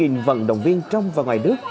hơn hai vận động viên trong và ngoài nước